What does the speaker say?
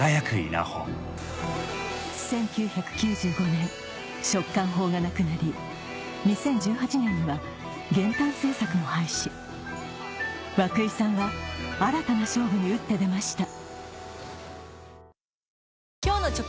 １９９５年食管法がなくなり２０１８年には減反政策も廃止涌井さんは新たな勝負に打って出ました